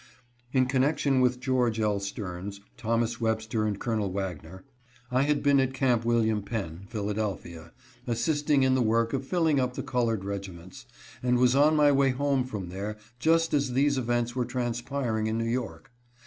In connection with George L. Stearns, Thomas Web ster, and Col. Wagner, I had been at Camp William Penn, Philadelphia, assisting in the work of filling up the col ored regiments, and was on my way home from there just as these events were transpiring in New York.